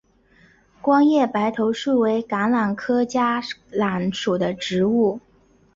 光叶白头树为橄榄科嘉榄属的植物。